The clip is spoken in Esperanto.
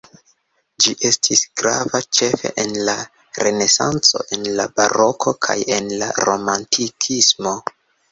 Ĝi estis grava ĉefe en la renesanco en la baroko kaj en la romantikismo.